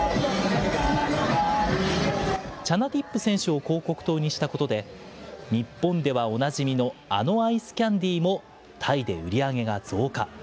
チャナティップ選手を広告塔にしたことで、日本ではおなじみのあのアイスキャンディーもタイで売り上げが増加。